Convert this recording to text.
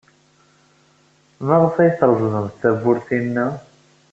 Maɣef ay treẓmemt tawwurt-inna?